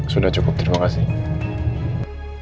sudah cukup terima kasih